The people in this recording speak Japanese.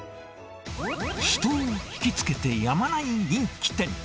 人を引き付けてやまない人気店。